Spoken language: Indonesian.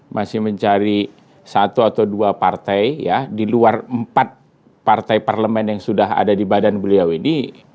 masih mencari satu atau dua partai ya di luar empat partai parlemen yang sudah ada di badan beliau ini